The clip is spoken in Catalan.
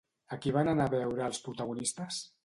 A qui van anar a veure els protagonistes?